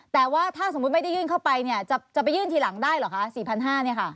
แต่ว่าถ้าสมมุติไม่ได้ยื่นเข้าไปเนี่ยจะไปยื่นทีหลังได้เหรอคะ๔๕๐๐เนี่ยค่ะ